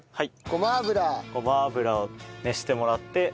ごま油を熱してもらって。